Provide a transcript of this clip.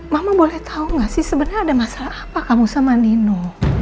mama boleh tau gak sih sebenernya ada masalah apa kamu sama nino